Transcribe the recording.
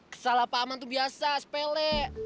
kesalahpahaman tuh biasa sepele